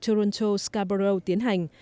toronto scarborough tiến hành